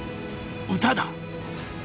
歌だ！